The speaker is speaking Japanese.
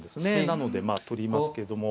なので取りますけども。